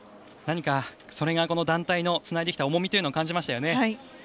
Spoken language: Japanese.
何かそれが団体のつないできた重みというのを感じました。